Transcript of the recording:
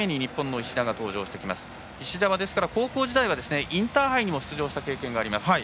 石田は高校時代はインターハイにも出場した経験があります。